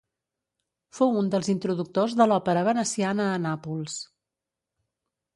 Fou un dels introductors de l'òpera veneciana a Nàpols.